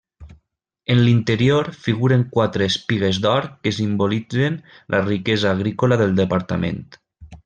En l'interior figuren quatre espigues d'or que simbolitzen la riquesa agrícola del departament.